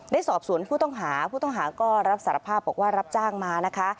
ได้สอบสวนผู้ต้องหาผู้ต้องหาก็รับสารภาพบอกว่ารับจ้างมานะคะ